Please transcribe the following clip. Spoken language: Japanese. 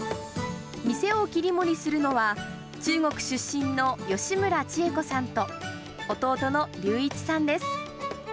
店を切り盛りするのは、中国出身の吉村千恵子さんと、弟の隆一さんです。